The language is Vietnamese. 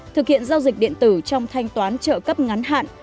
thực hiện giao dịch điện tử trong thanh toán trợ cấp ngắn hạn